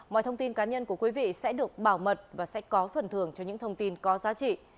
mọi thông tin cá nhân của quý vị sẽ được bảo mật và sẽ có phần thường cho những thông tin có giá trị